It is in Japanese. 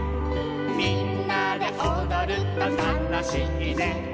「みんなでおどるとたのしいね」